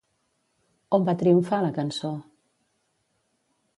On va triomfar, la cançó?